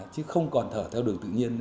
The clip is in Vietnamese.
chứ không còn thở theo đường tự nhiên